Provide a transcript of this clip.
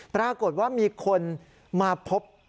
ปรากฏมีคนมาพบ